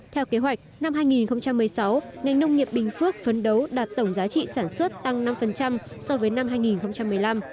theo kế hoạch năm hai nghìn một mươi sáu ngành nông nghiệp bình phước phấn đấu đạt tổng giá trị sản xuất tăng năm so với năm hai nghìn một mươi năm